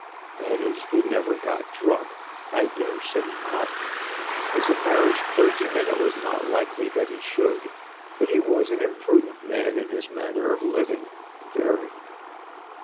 "That is, he never got drunk. I dare say not. As a parish clergyman, it was not likely that he should. But he was an imprudent man in his manner of living very."